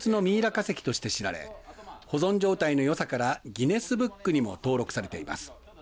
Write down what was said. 化石として知られ保存状態のよさからギネスブックにも登録されています。